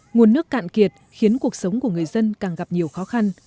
nguồn nước cạn kiệt khiến cuộc sống của người dân càng gặp nhiều khó khăn